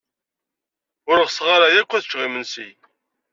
Ur ɣseɣ ara akk ad ččeɣ imensi.